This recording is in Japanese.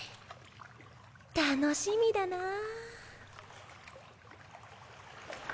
楽しみだなぁ。